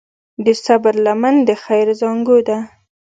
د صبر لمن د خیر زانګو ده.